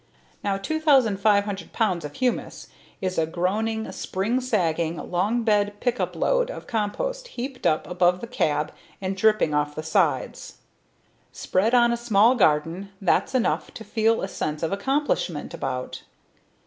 Now 2,500 pounds of humus is a groaning, spring sagging, long bed pickup load of compost heaped up above the cab and dripping off the sides. Spread on a small garden, that's enough to feel a sense of accomplishment about.